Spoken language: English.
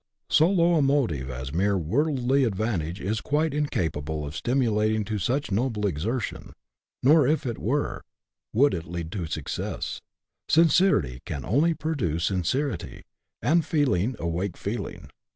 So low a motive as mere worldly advantage is quite incapable of stimulating to such noble exertion ; nor, if it were, would it lead to success ; sincerity only can produce sincerity, and feeling awake feeling.